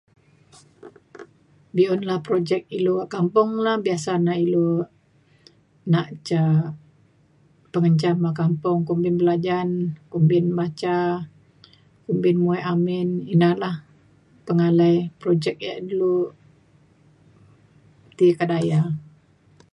be'un la projek ilu ka kampung la biasa na ilu nak ca pengenjam lo kampung kumbin belajan kumbin baca kumbin muek amin ida lah pengalai projek ia' ilu ti kedaya